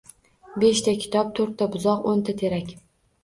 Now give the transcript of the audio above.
Beshta kitob, toʻrtta buzoq, oʻnta terak